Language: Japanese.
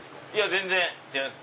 全然違います